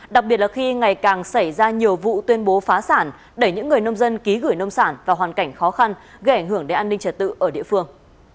đặc biệt là khi ngày càng xảy ra nhiều vụ tuyên bố phá sản đẩy những người nông dân ký gửi nông sản vào hoàn cảnh khó khăn gây ảnh hưởng đến an ninh trật tự ở địa phương